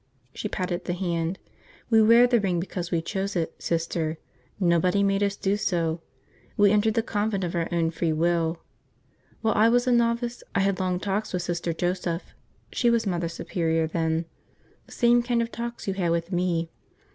She patted the hand. "We wear the ring because we chose it, Sister. Nobody made us do so; we entered the convent of our own free will. While I was a novice I had long talks with Sister Joseph, she was Mother Superior then – the same kind of talks you had with me.